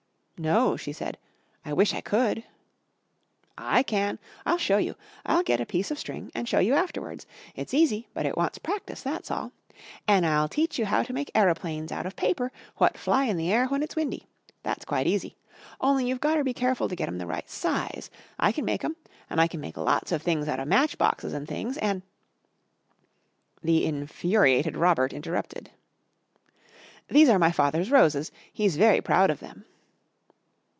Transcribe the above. "No," she said, "I wish I could." "I can. I'll show you. I'll get a piece of string and show you afterwards. It's easy but it wants practice, that's all. An' I'll teach you how to make aeroplanes out of paper what fly in the air when it's windy. That's quite easy. Only you've gotter be careful to get 'em the right size. I can make 'em and I can make lots of things out of match boxes an' things an' " The infuriated Robert interrupted. "These are my father's roses. He's very proud of them."